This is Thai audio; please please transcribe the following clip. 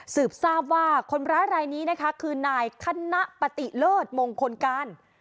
ทราบว่าคนร้ายรายนี้นะคะคือนายคณะปฏิเลิศมงคลการ